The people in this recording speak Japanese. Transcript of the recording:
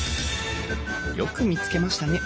「よく見つけましたね！